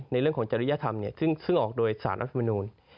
ในเรื่องของจริยธรรมซึ่งออกโดยสารรัฐมนูล